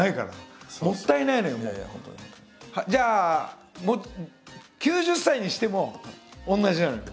じゃあ９０歳にしても同じなのよ。